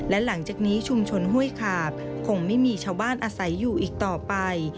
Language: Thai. และหลังจากนี้ชุมชนห้วยขาบคงไม่มีชาวบ้านอาศัยอยู่อีกต่อไป